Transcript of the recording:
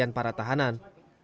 kepada para tahanan